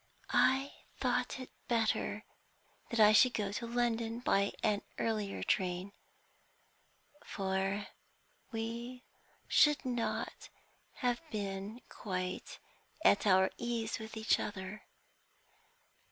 "I thought it better that I should go to London by an earlier train, for we should not have been quite at our ease with each other.